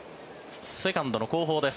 セカンドの後方です。